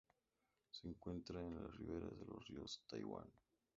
Se encuentra en las riveras de los ríos en Taiwán.